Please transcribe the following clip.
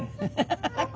ハハハハ！